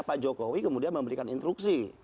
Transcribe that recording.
pak jokowi kemudian memberikan instruksi